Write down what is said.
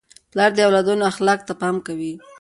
پلار د اولادونو اخلاقو ته پام کوي.